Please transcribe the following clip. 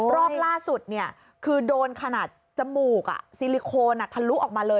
รอบล่าสุดคือโดนขนาดจมูกซิลิโคนทะลุออกมาเลย